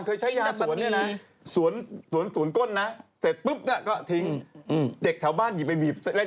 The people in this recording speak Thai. กัญชัยต้องสวนตูดนะเถอะไม่สวน